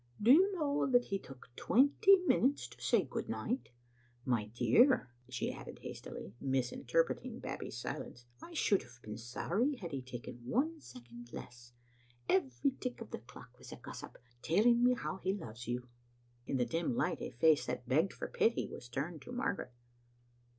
'* Do you know that he took twenty minutes to say good night? My dear," she added hast ily, misinterpreting Babbie's silence, "I should have been sorry had he taken one second less. Every tick of the clock was a gossip, telling me how he loves you." In the dim light a face that begged for pity was turned to Margaret.